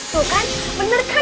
tuh kan bener kan